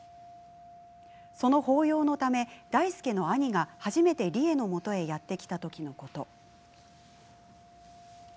その法要のため、大祐の兄が初めて里枝のもとへやって来た時のこと。